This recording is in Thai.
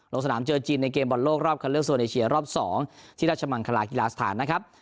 ลงสนามเจอจีนในเกมบอลโลกรอบคันเลือกโซนเอเชียรอบ๒ที่ราชมังคลากีฬาสถานนะครับ